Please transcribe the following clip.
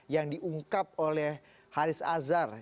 yang diungkap oleh haris azhar